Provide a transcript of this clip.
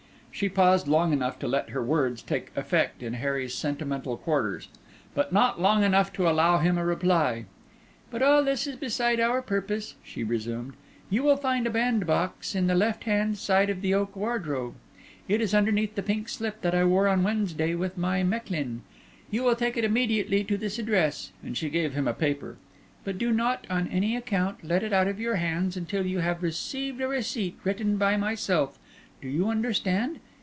She paused long enough to let her words take effect in Harry's sentimental quarters, but not long enough to allow him a reply. "But all this is beside our purpose," she resumed. "You will find a bandbox in the left hand side of the oak wardrobe; it is underneath the pink slip that I wore on Wednesday with my Mechlin. You will take it immediately to this address," and she gave him a paper, "but do not, on any account, let it out of your hands until you have received a receipt written by myself. Do you understand?